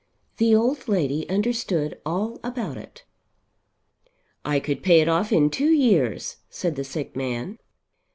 The old lady understood all about it. "I could pay it off in two years," said the sick man.